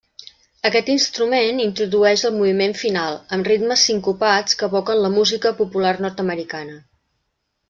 Aquest instrument introdueix el moviment final, amb ritmes sincopats que evoquen la música popular nord-americana.